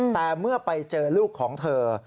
แต่เมื่อไปเจอลูกของเธอ